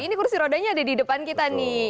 ini kursi rodanya ada di depan kita nih